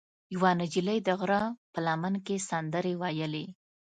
یوه نجلۍ د غره په لمن کې سندرې ویلې.